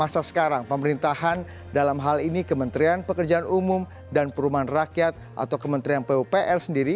masa sekarang pemerintahan dalam hal ini kementerian pekerjaan umum dan perumahan rakyat atau kementerian pupr sendiri